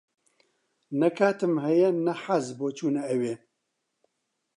نە کاتم ھەیە نە حەز، بۆ چوونە ئەوێ.